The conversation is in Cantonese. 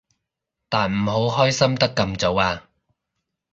但唔好開心得咁早啊